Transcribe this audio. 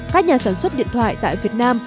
các nhà sản xuất điện thoại tại việt nam